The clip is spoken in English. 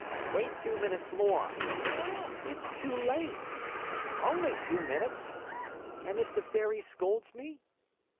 "Wait two minutes more." "It's too late!" "Only two minutes." "And if the Fairy scolds me?"